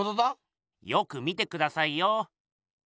よく見てくださいよ。